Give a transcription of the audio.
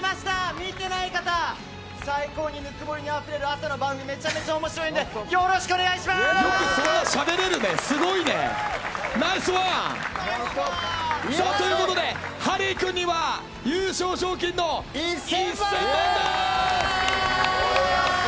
見てない方最高にぬくもりにあふれる朝の番組めちゃめちゃ面白いんでよくそんなしゃべれるねということでハリー君には優勝賞金の１０００万円です！